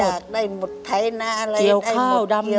ทุกอย่างได้หมดไพร้หน้าอะไรได้หมด